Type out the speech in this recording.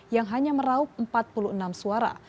yang hanya meraup empat puluh enam suara